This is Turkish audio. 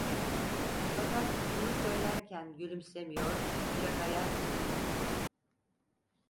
Fakat bunu söylerken gülümsemiyor, şaka yapmıyordu.